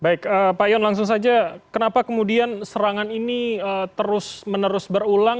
baik pak yon langsung saja kenapa kemudian serangan ini terus menerus berulang